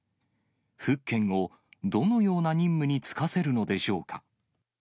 福建をどのような任務に就かせるのでしょうか。